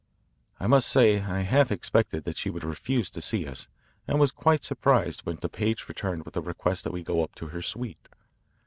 I must say I half expected that she would refuse to see us and was quite surprised when the page returned with the request that we go up to her suite.